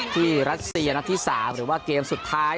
รัสเซียนัดที่๓หรือว่าเกมสุดท้าย